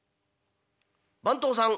番頭さん